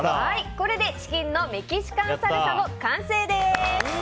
これでチキンのメキシカンサルサの完成です。